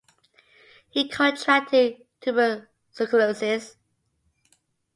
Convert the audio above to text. He contracted tuberculosis.